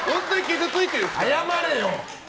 謝れよ！